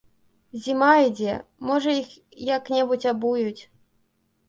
Зіма ідзе, можа, іх як-небудзь абуюць.